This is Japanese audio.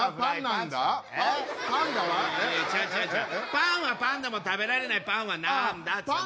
「パンはパンでも食べられないパンはなんだ？」ね。